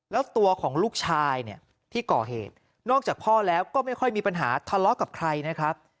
แล้วตัวของลูกชายเนี่ยที่ก่อเหตุนอกจากพ่อแล้วก็ไม่ค่อยมีปัญหาทะเลาะกับใครนะครับ